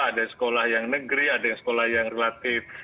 ada sekolah yang negeri ada yang sekolah yang relatif